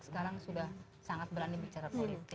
sekarang sudah sangat berani bicara politik